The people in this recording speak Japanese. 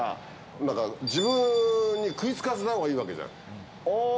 だから自分に食いつかせたほうがいいわけじゃん。ね？